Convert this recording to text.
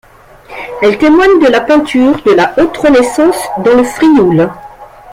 Elle témoigne de la peinture de la Haute Renaissance dans le Frioul.